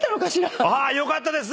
よかったです。